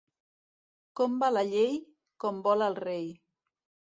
Com va la llei? Com vol el rei.